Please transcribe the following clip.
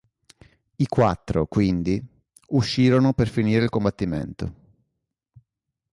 I quattro, quindi, uscirono per finire il combattimento.